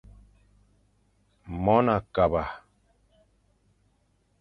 Mon a kaba.